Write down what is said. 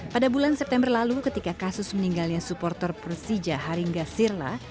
pada bulan september lalu ketika kasus meninggalnya supporter persija haringa sirla